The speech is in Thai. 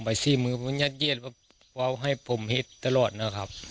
ไปสี่มือผมยัดเยียดว่าเว้าให้ผมเฮ็ดตลอดนะครับ